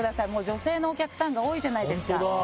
女性のお客さんが多いじゃないですか。